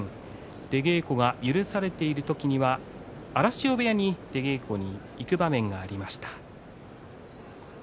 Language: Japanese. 出稽古が許されている時には荒汐部屋に出稽古に行く場面がありました。